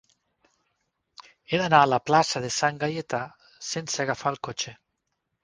He d'anar a la plaça de Sant Gaietà sense agafar el cotxe.